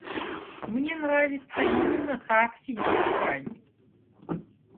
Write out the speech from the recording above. Мне нравится именно так сидеть с вами.